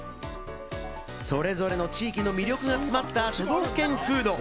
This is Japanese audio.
それぞれの地域の魅力が詰まった都道府県フード。